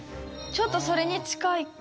ちょっとそれに近いかも。